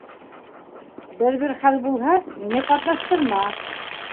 Бер-бер хәл булһа, мине ҡатнаштырма.